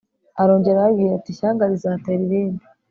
Arongera arababwira ati Ishyanga rizatera irindi